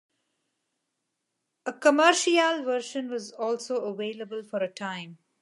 A 'Commerciale' version was also available for a time.